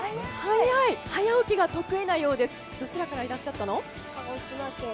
早起きが得意なようですが、どちらからいらっしゃったの？